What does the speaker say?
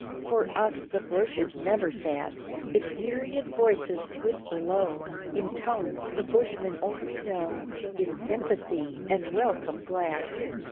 For us the bush is never sad: Its myriad voices whisper low, In tones the bushmen only know, Its sympathy and welcome glad.